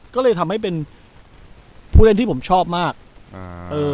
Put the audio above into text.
ก็เลยทำให้เป็นผู้เล่นที่ผมชอบมากอ่าเออ